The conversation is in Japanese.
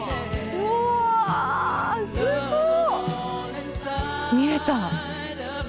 うわすごっ！